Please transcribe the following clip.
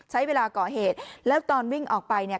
ใช้เวลาก่อเหตุแล้วตอนวิ่งออกไปเนี่ย